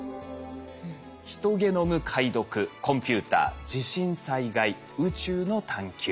ヒトゲノム解読コンピューター地震・災害宇宙の探究。